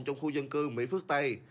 trong khu dân cư mỹ phước tây